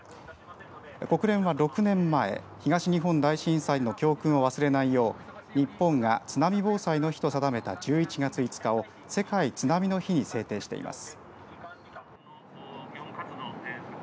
国連は、６年前東日本大震災の教訓を忘れないよう日本が津波防災の日と定めた１１月５日を世界津波の日に制定しています。